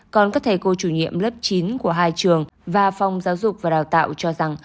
còn các thầy cô chủ nhiệm lớp chín của hai trường và phòng giáo dục và đào tạo cho rằng